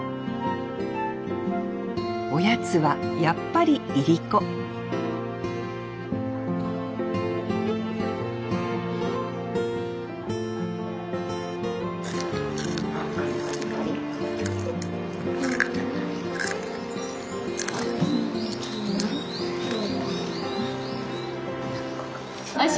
おやつはやっぱりいりこおいし？